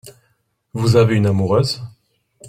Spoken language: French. Vous avez une amoureuse ?